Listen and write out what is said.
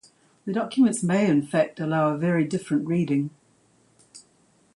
The documents may in fact allow a very different reading.